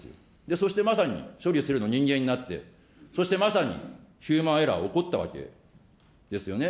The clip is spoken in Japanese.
そしてまさに、処理するの人間になって、そしてまさにヒューマンエラーが起こったわけですよね。